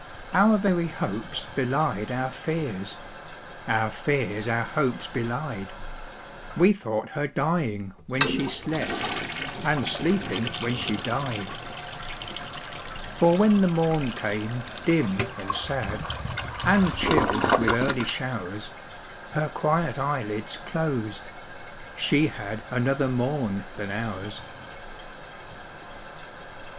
Our very hopes belied our fears, Our fears our hopes belied We thought her dying when she slept, And sleeping when she died. For when the morn came, dim and sad, And chill with early showers, Her quiet eyelids closed she had Another morn than ours.